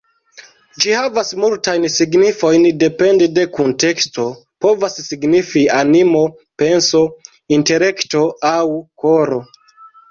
Ĝi havas multajn signifojn, depende de kunteksto, povas signifi ‘animo’, ‘penso’, ‘intelekto’ aŭ ‘koro’.